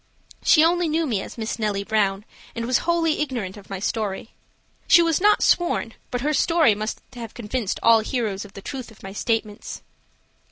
She only knew me as Miss Nellie Brown, and was wholly ignorant of my story. She was not sworn, but her story must have convinced all hearers of the truth of my statements.